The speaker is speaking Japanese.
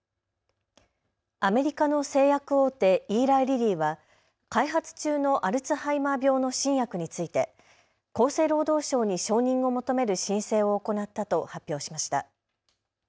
アメリカの製薬大手、イーライリリーは開発中のアルツハイマー病の新薬について厚生労働省に承認を求める申請を行ったと発表しました。